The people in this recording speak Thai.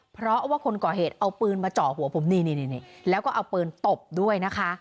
เพราะว่าคนก่อเหตุเอาปืนมาเจาะหัวผมนี่แล้วก็เอาปืนตบด้วยนะคะ